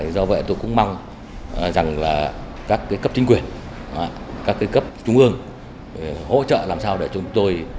do vậy tôi cũng mong rằng là các cấp chính quyền các cấp trung ương hỗ trợ làm sao để chúng tôi